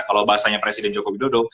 kalau bahasanya presiden jokowi dodo